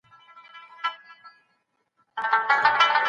د شيطان پلمې د استقامت پر وړاندې بې اغېزه دي.